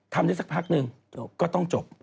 ทำนี่สักพักหนึ่งก็ต้องจบ